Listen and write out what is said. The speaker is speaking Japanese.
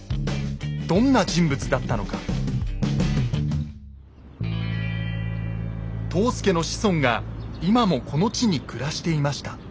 どんな人物だったのか藤助の子孫が今もこの地に暮らしていました